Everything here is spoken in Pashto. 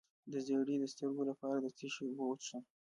د زیړي د سترګو لپاره د څه شي اوبه وڅښم؟